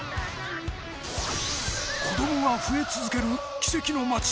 子供が増え続ける奇跡の街。